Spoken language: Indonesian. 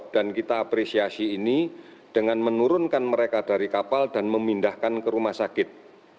dan kita apresiasi ini dengan menurunkan mereka dari kapal dan memindahkan ke rumah sakit